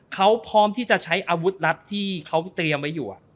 เขาพร้อมที่จะใช้อาวุธลับที่เขาเตรียมไว้อยู่